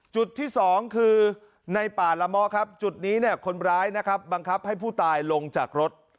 จุดที่สองคือในป่าหละมะครับจุดนี้คนร้ายบังคับให้ผู้ตายลงจากรถ